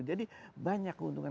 jadi banyak keuntungan